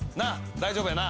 大丈夫やな？